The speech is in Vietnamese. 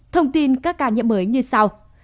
thông tin các ca nhiễm mới như sau